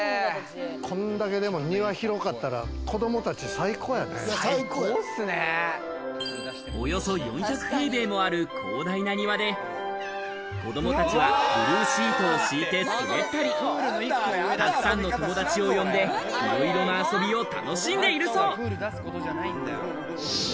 こんだけ庭広かったら子供たおよそ４００平米もある広大な庭で子供たちはブルーシートを敷いて滑ったり、たくさんの友達を呼んでいろいろな遊びを楽しんでいるそう。